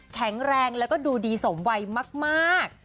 แข็งแรงแล้วก็ดูดีสมวัยมาก